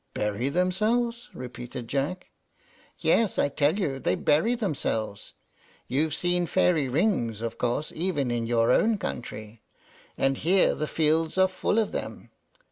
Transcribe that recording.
"Bury themselves?" repeated Jack. "Yes, I tell you, they bury themselves. You've seen fairy rings, of course, even in your own country; and here the fields are full of them.